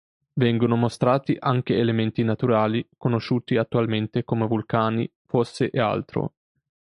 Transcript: Vengono mostrati anche elementi naturali conosciuti attualmente come vulcani, fosse e altro.